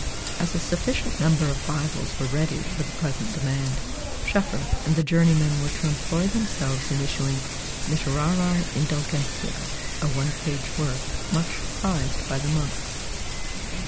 As a sufficient number of Bibles were ready for the present demand, Schoeffer and the journeymen were to employ themselves in issuing "Litterariæ Indulgentiæ," a one page work much prized by the monks.